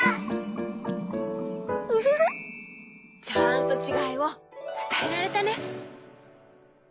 ウフフちゃんとちがいをつたえられたね。